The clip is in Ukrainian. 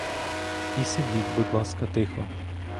І сидіть, будь ласка, тихо.